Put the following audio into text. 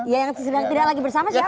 ya yang sudah tidak lagi bersama siapa